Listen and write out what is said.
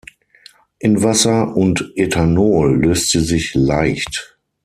In Wasser und Ethanol löst sie sich leicht.